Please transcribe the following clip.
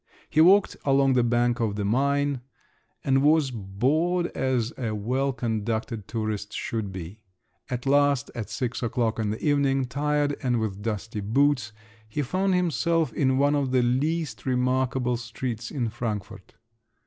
He walked along the bank of the Maine, and was bored as a well conducted tourist should be; at last at six o'clock in the evening, tired, and with dusty boots, he found himself in one of the least remarkable streets in Frankfort.